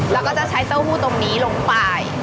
แล้วก็จะใช้เต้าหู้ตรงนี้ลงไป